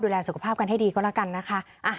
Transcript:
สุขภาพกันให้ดีก็แล้วกันนะคะ